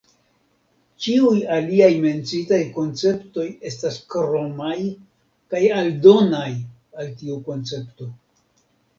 Ĉiuj aliaj menciitaj konceptoj estas kromaj kaj aldonaj al tiu koncepto.